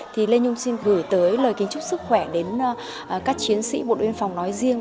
thì lê nhung xin gửi tới lời kính chúc sức khỏe đến các chiến sĩ bộ đội biên phòng nói riêng